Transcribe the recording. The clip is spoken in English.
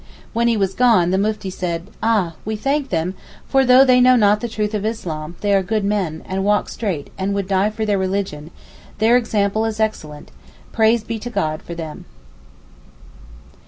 When he was gone the Mufti said, 'Ah! we thank them, for though they know not the truth of Islam, they are good men, and walk straight, and would die for their religion: their example is excellent; praise be to God for them.